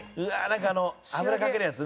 なんかあの油かけるやつ？